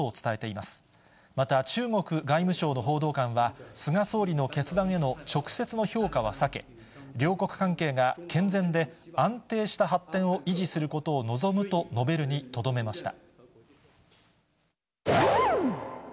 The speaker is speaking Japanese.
また、中国外務省の報道官は、菅総理の決断への直接の評価は避け、両国関係が健全で安定した発展を維持することを望むと述べるにとどめました。